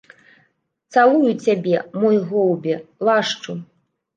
Цалую цябе, мой голубе, лашчу.